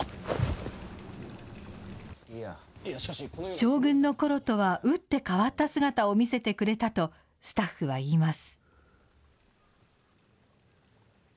将軍のころとは打って変わった姿を見せてくれたと、スタッフは言います。